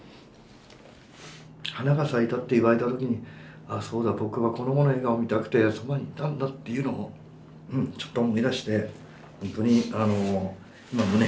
花が咲いたって言われた時に「あそうだ僕はこの子の笑顔見たくてそばにいたんだ」っていうのをちょっと思い出して本当に今胸がいっぱいになりました。